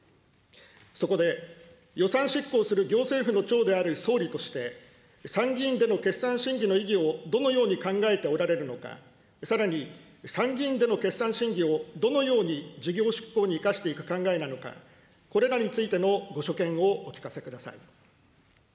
そこで予算執行する行政府の長である総理として、参議院での決算審議の意義をどのように考えておられるのか、さらに、参議院での決算審議をどのように事業執行に生かしていく考えなのか、これらについてのご所見をお聞かせください。